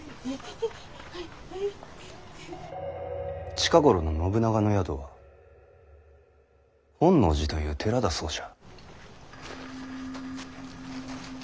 近頃の信長の宿は本能寺という寺だそうじゃ。